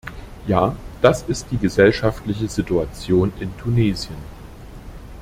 Ja, das ist die gesellschaftliche Situation in Tunesien.